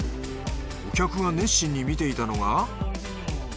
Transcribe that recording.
お客が熱心に見ていたのが。